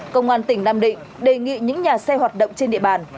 công an tỉnh nam định đề nghị những nhà xe hoạt động trên địa bàn